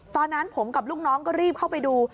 ตอนนั้นผมกับลูกน้องก็รีบเข้าไปดู